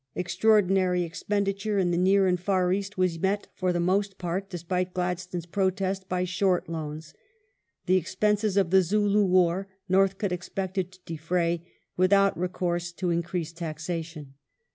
Extraordinary expenditure in the near and fai East was met for the most part, despite Gladstone's protest, by short loans ; the expenses of the Zulu War Northcote expected to defray with out recourse to increased taxation.